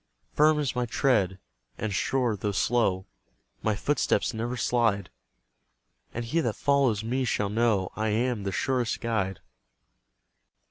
"Firm is my tread, and sure though slow; My footsteps never slide; And he that follows me shall know I am the surest guide."